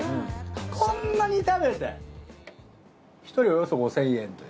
こんなに食べて１人およそ５，０００円って。